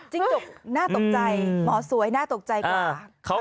จกน่าตกใจหมอสวยน่าตกใจกว่า